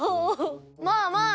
まあまあ。